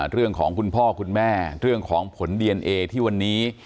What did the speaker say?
คุณพ่อคุณแม่เรื่องของผลดีเอนเอที่วันนี้